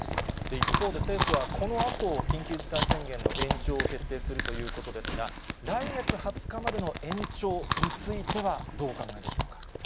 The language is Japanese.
一方で、政府はこのあと緊急事態宣言の延長を決定するということですが、来月２０日までの延長についてはどうお考えでしょうか。